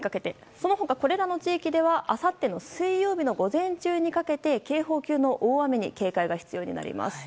その他これらの地域ではあさっての水曜日の午前中にかけて警報級の大雨に警戒が必要です。